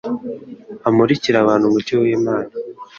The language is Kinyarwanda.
amurikire abantu umucyo w'Imana.